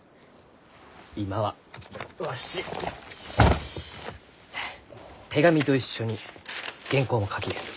今はわし手紙と一緒に原稿も書きゆう。